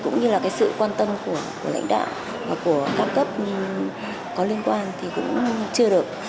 cũng như là cái sự quan tâm của lãnh đạo và của các cấp có liên quan thì cũng chưa được